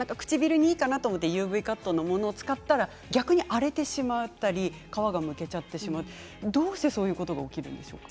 唇にいいかなと思ってＵＶカットのものを使ったら逆に荒れてしまったり皮がむけちゃってどうしてそういうことが起きるんでしょう。